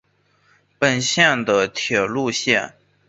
本线的铁路线。